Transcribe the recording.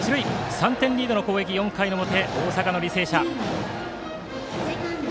３点リードの攻撃、４回表大阪の履正社。